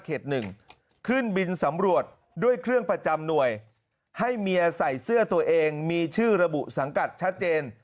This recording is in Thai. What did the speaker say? ขึ้นบินสำรวจด้วยเครื่องประจำหน่วยให้เมียใส่เสื้อตัวเองมีชื่อระบุสังกัดชัดเจน